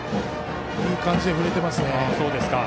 いい感じで振れていますね。